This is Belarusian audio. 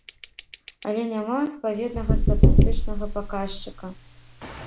Але няма адпаведнага статыстычнага паказчыка.